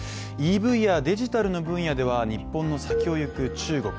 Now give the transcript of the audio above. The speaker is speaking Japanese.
ＥＶやデジタルの分野では日本の先を行く中国。